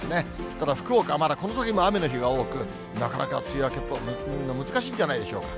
ただ福岡、まだこのときも雨の日が多く、なかなか梅雨明けは難しいんではないでしょうか。